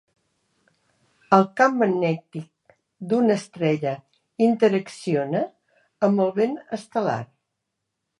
El camp magnètic d'una estrella interacciona amb el vent estel·lar.